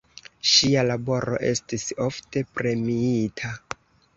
Ŝia laboro estis ofte premiita.